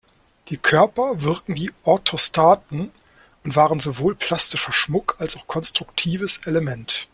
Die Körper wirken wie Orthostaten und waren sowohl plastischer Schmuck als auch konstruktives Element.